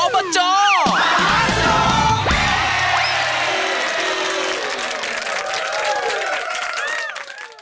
มาดูกันกันครับ